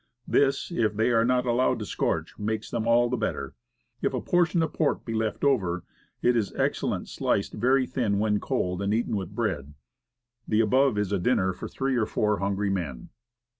This, if they are not allowed to scorch, makes them all the better. If a portion of the pork be left over, it is excellent sliced very thin when cold", and eaten with bread. The above is a dinner for three or four hungry men.